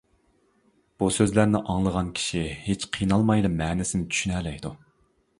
بۇ سۆزلەرنى ئاڭلىغان كىشى ھېچ قىينالمايلا مەنىسىنى چۈشىنەلەيدۇ.